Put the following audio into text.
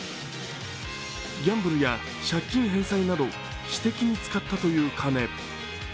ギャンブルや借金返済など私的に使ったという金。